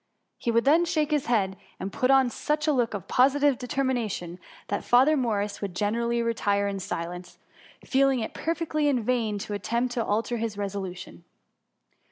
'' He would then shake his head, and put on 54 THE MUMMT. guch a look of positive determination, that Fa ther Morris would generally retire in silence, feeling it perfectly in vain to attempt to alter his resolution.